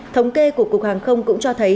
thống kê của cục hàng không cũng cho thấy